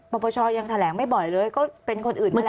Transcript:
ประโยชน์ยังแถลงไม่บ่อยเลยก็เป็นคนอื่นแหละ